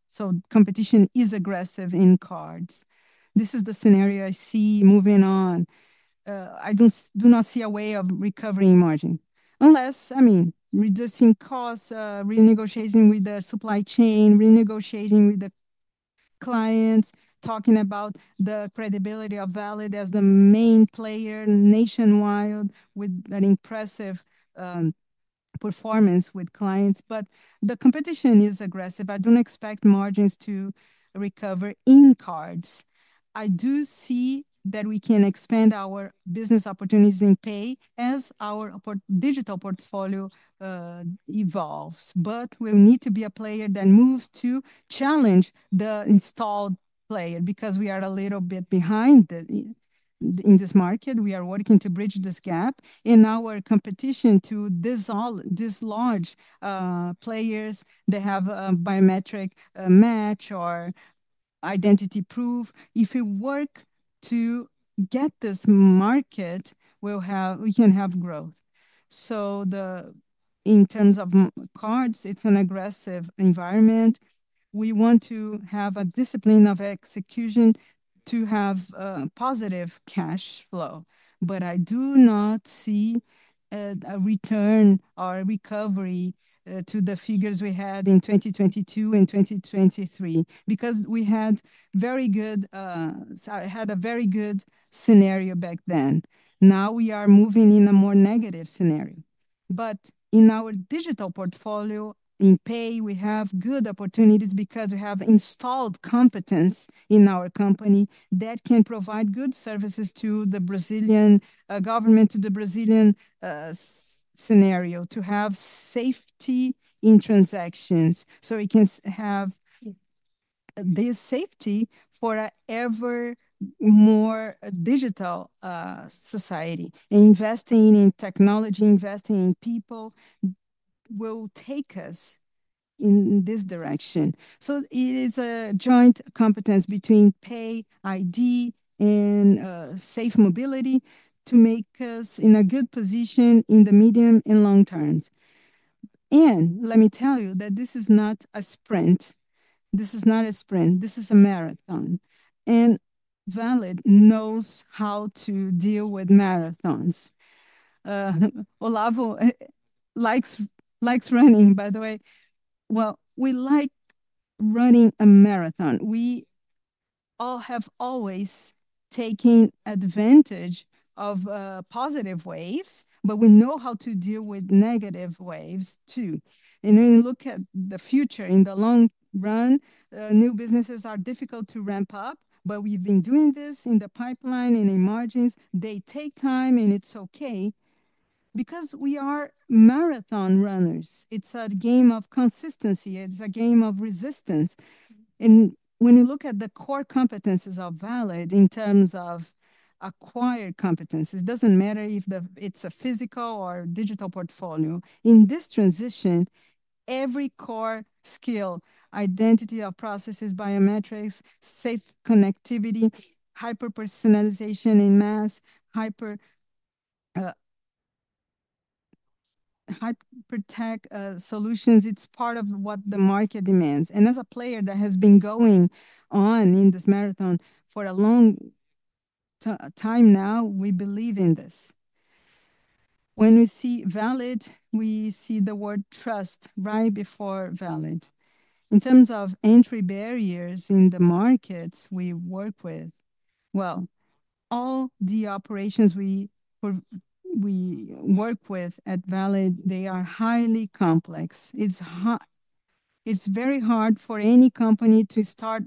Competition is aggressive in cards. This is the scenario I see moving on. I do not see a way of recovering margin, unless, I mean, reducing costs, renegotiating with the supply chain, renegotiating with the clients, talking about the credibility of Valid as the main player nationwide with an impressive performance with clients. The competition is aggressive. I don't expect margins to recover in cards. I do see that we can expand our business opportunities in pay as our digital portfolio evolves. We'll need to be a player that moves to challenge the installed player because we are a little bit behind in this market. We are working to bridge this gap in our competition to dislodge players. They have a biometric match or identity proof. If we work to get this market, we can have growth. In terms of cards, it's an aggressive environment. We want to have a discipline of execution to have a positive cash flow. I do not see a return or a recovery to the figures we had in 2022 and 2023 because we had a very good scenario back then. Now we are moving in a more negative scenario. In our digital portfolio, in pay, we have good opportunities because we have installed competence in our company that can provide good services to the Brazilian government, to the Brazilian scenario, to have safety in transactions. We can have this safety for an ever-more digital society. Investing in technology, investing in people will take us in this direction. It is a joint competence between pay, ID, and safe mobility to make us in a good position in the medium and long terms. Let me tell you that this is not a sprint. This is not a sprint. This is a marathon. Valid knows how to deal with marathons. Olavo likes running, by the way. We like running a marathon. We all have always taken advantage of positive waves, but we know how to deal with negative waves too. When you look at the future, in the long run, new businesses are difficult to ramp up, but we've been doing this in the pipeline and in margins. They take time, and it's okay because we are marathon runners. It's a game of consistency. It's a game of resistance. When you look at the core competencies of Valid in terms of acquired competencies, it doesn't matter if it's a physical or digital portfolio. In this transition, every core skill, identity of processes, biometrics, safe connectivity, hyper-personalization in mass, hyper-tech solutions, is part of what the market demands. As a player that has been going on in this marathon for a long time now, we believe in this. When we see Valid, we see the word trust right before Valid. In terms of entry barriers in the markets we work with, all the operations we work with at Valid are highly complex. It's very hard for any company to start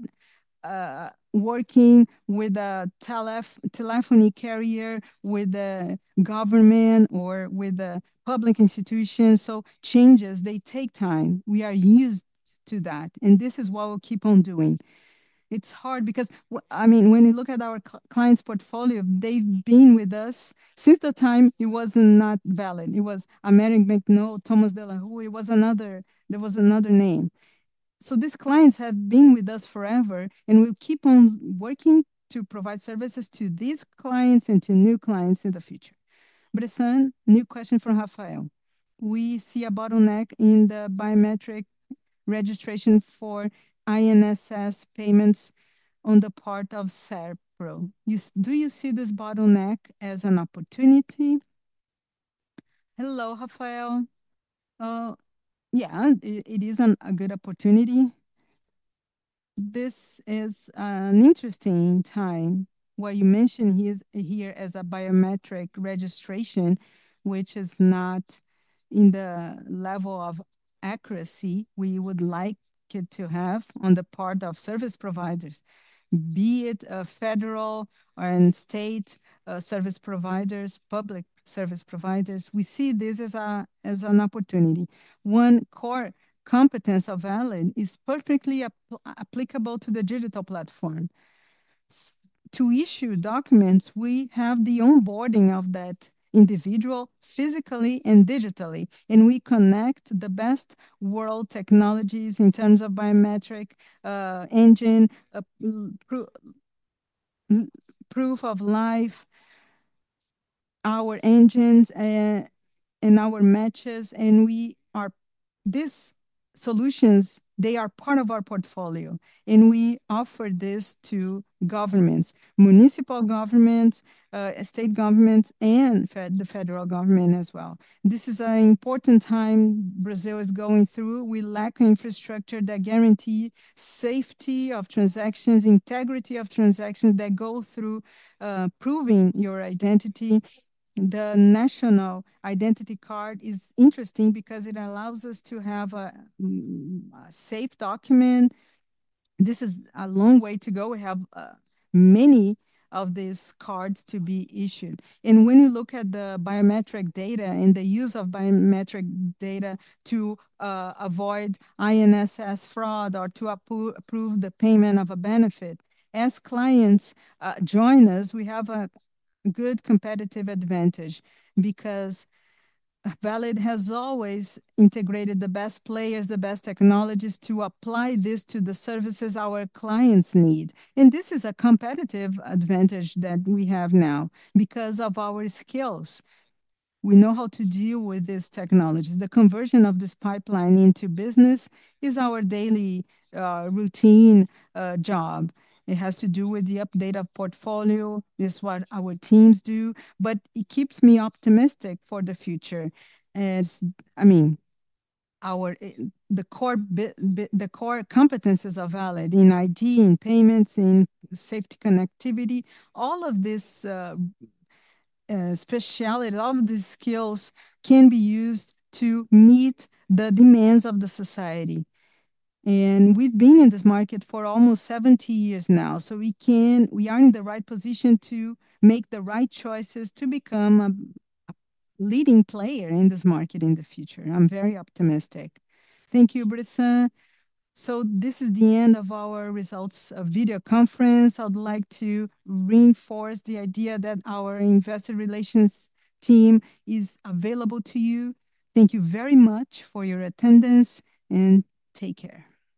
working with a telephony carrier, with the government, or with public institutions. Changes take time. We are used to that, and this is what we'll keep on doing. It's hard because, when you look at our clients' portfolio, they've been with us since the time it was not Valid. It was American Banknote, Thomas de la Rue, there was another name. These clients have been with us forever, and we'll keep on working to provide services to these clients and to new clients in the future. Bressan, new question from Rafael. We see a bottleneck in the biometric registration for INSS payments on the part of Serpro. Do you see this bottleneck as an opportunity? Hello, Rafael. Yeah, it is a good opportunity. This is an interesting time. What you mentioned here is a biometric registration, which is not in the level of accuracy we would like it to have on the part of service providers, be it federal or state service providers, public service providers. We see this as an opportunity. One core competence of Valid is perfectly applicable to the digital platform. To issue documents, we have the onboarding of that individual physically and digitally, and we connect the best world technologies in terms of biometric engine, proof of life, our engines, and our matches. These solutions are part of our portfolio, and we offer this to governments, municipal governments, state governments, and the federal government as well. This is an important time Brazil is going through. We lack infrastructure that guarantees safety of transactions, integrity. Transactions that go through proving your identity. The national identity card is interesting because it allows us to have a safe document. This is a long way to go. We have many of these cards to be issued. When you look at the biometric data and the use of biometric data to avoid INSS fraud or to approve the payment of a benefit, as clients join us, we have a good competitive advantage because Valid has always integrated the best players, the best technologies to apply this to the services our clients need. This is a competitive advantage that we have now because of our skills. We know how to deal with this technology. The conversion of this pipeline into business is our daily routine job. It has to do with the update of portfolio. This is what our teams do. It keeps me optimistic for the future. I mean, the core competencies of Valid in IT, in payments, in safety connectivity, all of this specialty, all of these skills can be used to meet the demands of the society. We've been in this market for almost 70 years now. We are in the right position to make the right choices to become a leading player in this market in the future. I'm very optimistic. Thank you, Bressan. This is the end of our results video conference. I would like to reinforce the idea that our Investor Relations team is available to you. Thank you very much for your attendance and take care.